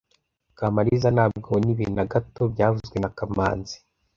Kamaliza ntabwo abona ibi na gato byavuzwe na kamanzi